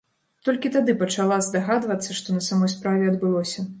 Толькі тады пачала здагадвацца, што на самой справе адбылося.